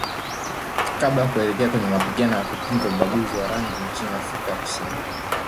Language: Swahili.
Kabla ya kuelekea kwenye mapigano ya kupinga ubaguzi wa rangi nchini Afrika ya Kusini